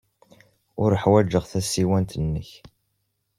Ur ḥwajeɣ tasiwant-nnek.